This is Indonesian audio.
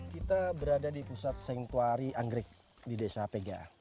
kita berada di pusat sengtuari anggrek di desa pega